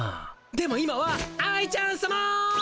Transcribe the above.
でも今は愛ちゃんさま。